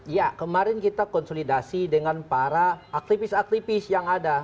ya kemarin kita konsolidasi dengan para aktivis aktivis yang ada